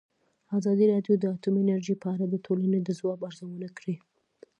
ازادي راډیو د اټومي انرژي په اړه د ټولنې د ځواب ارزونه کړې.